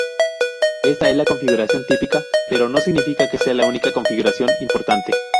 Esta es la configuración típica, pero no significa que sea la única configuración importante.